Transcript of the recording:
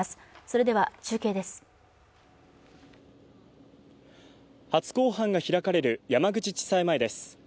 それでは中継です初公判が開かれる山口地裁前です